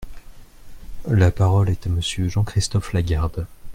La parole est à Monsieur Jean-Christophe Lagarde.